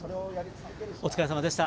お疲れさまでした。